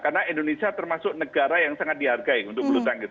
karena indonesia termasuk negara yang sangat dihargai untuk bulu tanggis